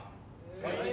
はい。